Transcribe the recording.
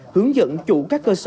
hướng dẫn chủ các cơ sở phế liệu